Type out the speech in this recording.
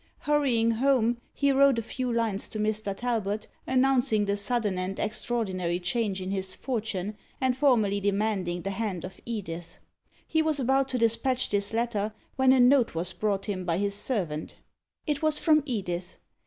Hurrying home, he wrote a few lines to Mr. Talbot, announcing the sudden and extraordinary change in his fortune, and formally demanding the hand of Edith. He was about to despatch this letter, when a note was brought him by his servant. It was from Edith.